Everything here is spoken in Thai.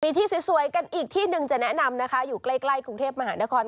มีที่สวยกันอีกที่หนึ่งจะแนะนำนะคะอยู่ใกล้กรุงเทพมหานคร